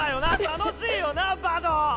楽しいよなバド！